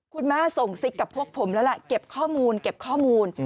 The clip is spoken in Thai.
คุณแม่ส่งสิทธิ์กับพวกผมแล้วล่ะเก็บข้อมูล